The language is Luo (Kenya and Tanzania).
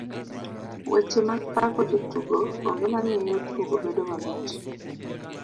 Weche mag pako jotugo onge mamiyo tugo bedo mamit.